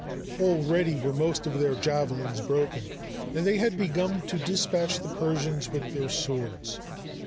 Already were most of their javelins broken and they had begun to despatch the Persians with their swords.